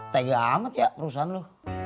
tegak amat ya perusahaan lu